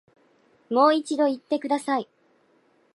もう一度言ってください